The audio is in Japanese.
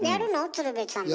鶴瓶さんも。